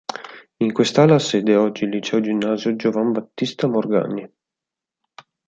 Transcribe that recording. In quest'ala ha sede oggi il Liceo ginnasio Giovan Battista Morgagni.